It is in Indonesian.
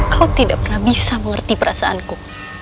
kau tidak pernah bisa mengerti perasaanku